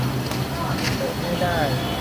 โหลดไม่ได้